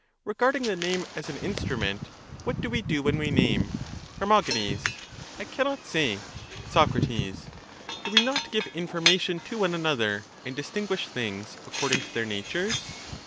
Regarding the name as an instrument, what do we do when we name? Her. I cannot say. Soc. Do we not give information to one another, and distinguish things according to their natures?